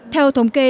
theo thống kê